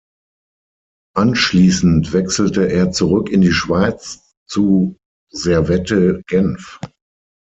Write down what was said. Anschliessend wechselte er zurück in die Schweiz zu Servette Genf.